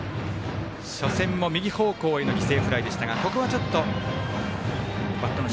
初戦も右方向への犠牲フライでしたがここはちょっと。